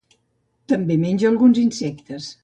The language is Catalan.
També menja alguns insectes.